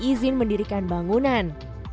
izin mendirikan bangunan